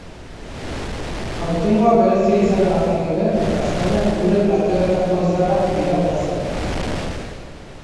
Aurtengoa berezia izanagatik ere, gaztainak gure platerretako izarrak dira udazkenean.